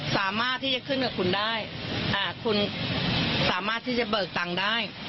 สามารถที่จะขึ้นกับคุณได้คุณสามารถที่จะเบิกตังค์ได้